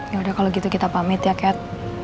yaudah kalau gitu kita pamit ya cat